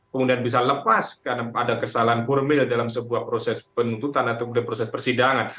kemudian bisa lepas karena ada kesalahan formil dalam sebuah proses penuntutan atau proses persidangan